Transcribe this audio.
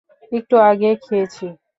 একটু আগে খেয়েছি।